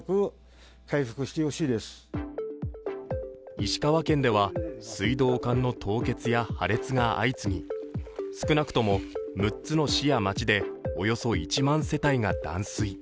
石川県では水道管の凍結や破裂が相次ぎ、少なくとも６つの市や町でおよそ１万世帯が断水。